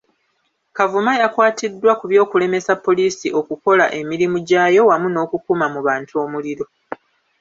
Kavuma yakwatiddwa ku by’okulemesa poliisi okukola emirimu gyayo wamu n’okukuma mu bantu omuliro.